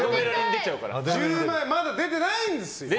１０万円まだ出てないんですよ。